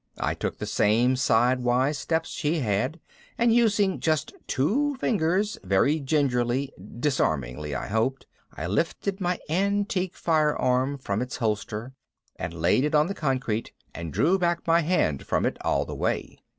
I took the same sidewise steps she had and using just two fingers, very gingerly disarmingly, I hoped I lifted my antique firearm from its holster and laid it on the concrete and drew back my hand from it all the way.